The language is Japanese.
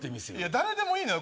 誰でもいいのよ